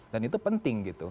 dan itu penting gitu